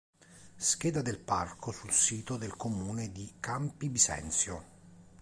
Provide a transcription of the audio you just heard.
Scheda del parco sul sito del comune di Campi Bisenzio